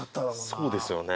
そうですよね。